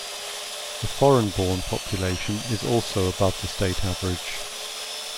The foreign-born population is also above the state average.